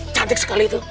cantik sekali itu